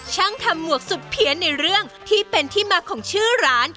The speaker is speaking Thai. ช่างทำหมวกสุดเพี้ยนในเรื่องที่เป็นที่มาของชื่อร้าน